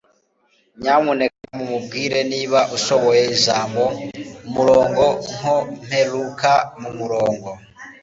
Nyamuneka Mumbwire Niba Ushoboye Ijambo "Umurongo" Nko Mperuka Mumurongo